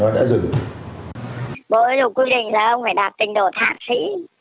bộ giáo dục quy định là ông phải đạt tình độ thạc sĩ